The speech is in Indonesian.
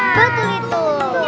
iya betul itu